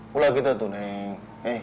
pula gitu tuh neng